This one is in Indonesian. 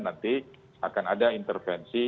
nanti akan ada intervensi